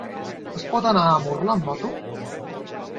Es pot anar a Murla amb moto?